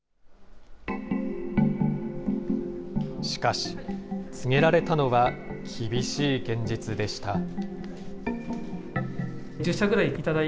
しかし、告げられたのは、厳しい現実でした。